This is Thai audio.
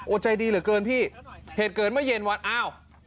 ใจดีเหลือเกินพี่เหตุเกิดเมื่อเย็นวันอ้าว